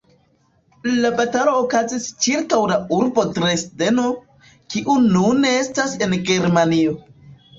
La batalo okazis ĉirkaŭ la urbo Dresdeno, kiu nune estas en Germanio.